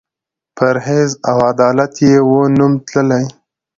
په پرهېز او عدالت یې وو نوم تللی